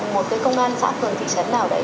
một cái công an xã phường thị trấn nào đấy